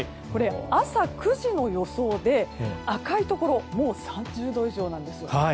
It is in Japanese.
朝９時の予想で赤いところもう３０度以上なんです。